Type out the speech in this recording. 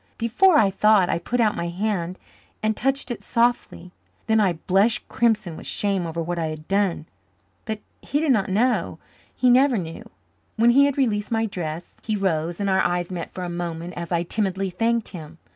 Before I thought I put out my hand and touched it softly, then I blushed crimson with shame over what I had done. But he did not know he never knew. When he had released my dress he rose and our eyes met for a moment as I timidly thanked him.